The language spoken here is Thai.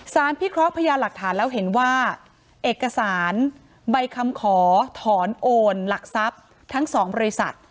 พิเคราะห์พยานหลักฐานแล้วเห็นว่าเอกสารใบคำขอถอนโอนหลักทรัพย์ทั้ง๒บริษัท